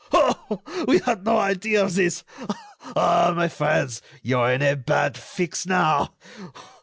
oh! we had no idea of this! Ah! my friends, you are in a bad fix now.